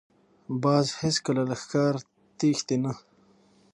باز هېڅکله له ښکار تښتي نه